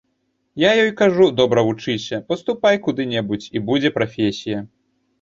Я ёй кажу, добра вучыся, паступай куды-небудзь, і будзе прафесія.